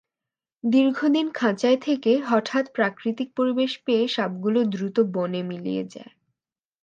দীর্ঘদিন খাঁচায় থেকে হঠাৎ প্রাকৃতিক পরিবেশ পেয়ে সাপগুলো দ্রুত বনে মিলিয়ে যায়।